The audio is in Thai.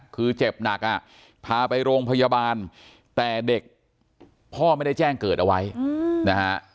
คือเจ็บหนักอ่ะพาไปโรงพยาบาลแต่เด็กพ่อไม่ได้แจ้งเกิดเอาไว้นะฮะ